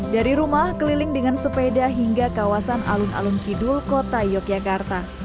dari rumah keliling dengan sepeda hingga kawasan alun alun kidul kota yogyakarta